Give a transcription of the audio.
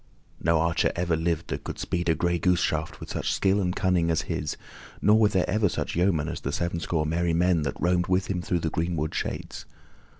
No archer ever lived that could speed a gray goose shaft with such skill and cunning as his, nor were there ever such yeomen as the sevenscore merry men that roamed with him through the greenwood shades.